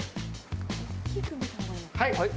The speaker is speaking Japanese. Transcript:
はい。